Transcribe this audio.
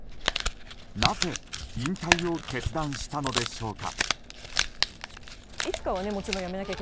なぜ引退を決断したのでしょうか。